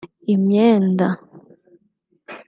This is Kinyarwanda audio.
imyenda